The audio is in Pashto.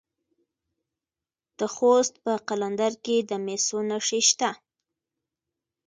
د خوست په قلندر کې د مسو نښې شته.